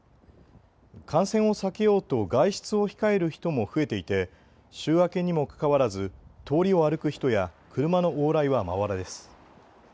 感染を避けようと外出を控える人も増えていて週明けにもかかわらず通りを歩く人や車の往来はまばらです。